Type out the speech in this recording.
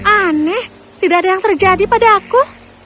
aneh tidak ada yang terjadi pada aku